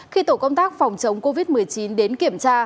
khi tổ công tác phòng chống covid một mươi chín đến kiểm tra